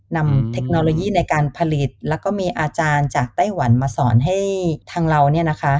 เทคโนโลยีในการผลิตแล้วก็มีอาจารย์จากไต้หวันมาสอนให้ทางเรา